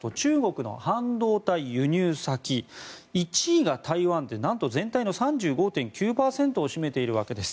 ＪＥＴＲＯによりますと中国の半導体輸入先１位が台湾で何と全体の３５．９％を占めているわけです。